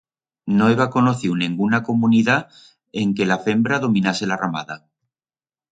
No heba conociu nenguna comunidat en que la fembra dominase la ramada.